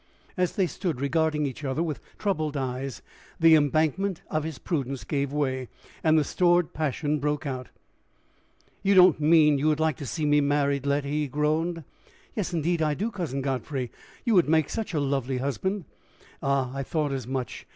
As they stood regarding each other with troubled eyes, the embankment of his prudence gave way, and the stored passion broke out. "You don't mean you would like to see me married, Letty?" he groaned. "Yes, indeed, I do, Cousin Godfrey! You would make such a lovely husband!" "Ah! I thought as much!